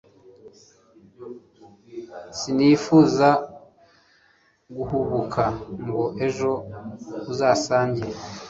sinifuza guhubuka ngo ejo uzasange